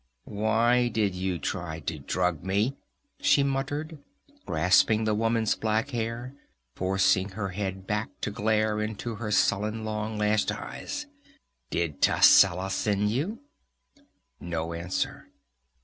"Why did you try to drug me?" she muttered, grasping the woman's black hair, and forcing her head back to glare into her sullen, long lashed eyes. "Did Tascela send you?" No answer.